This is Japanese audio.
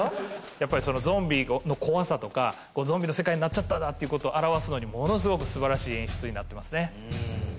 やっぱりそのゾンビの怖さとかゾンビの世界になっちゃったんだっていうことを表すのにものすごくすばらしい演出になってますね。